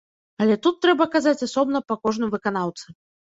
Але тут трэба казаць асобна па кожным выканаўцы.